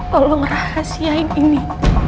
tolong rahasiain ini